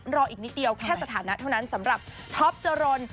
รออีกนิดเดียวแค่สถานะเท่านั้นสำหรับท็อปจรน